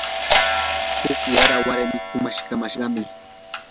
huk wira warmi kumamashqam.